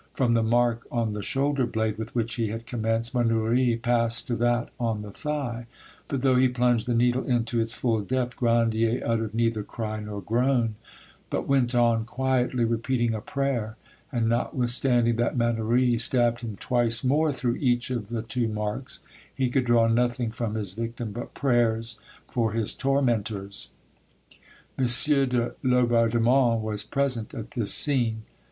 From the mark on the shoulder blade with which he had commenced, Mannouri passed to that on the thigh, but though he plunged the needle in to its full depth Grandier uttered neither cry nor groan, but went on quietly repeating a prayer, and notwithstanding that Mannouri stabbed him twice more through each of the two marks, he could draw nothing from his victim but prayers for his tormentors. M. de Laubardemont was present at this scene.